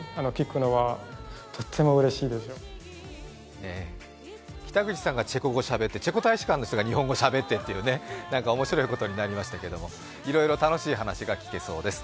ねえ、北口さんがチェコ語をしゃべってチェコ大使館の人が日本語をしゃべって、面白いことになっていましたけどいろいろ楽しい話が聞けそうです。